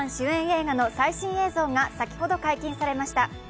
映画の最新映像が先ほど解禁されました。